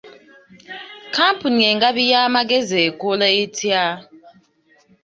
Kkampuni engabi y'amagezi ekola etya?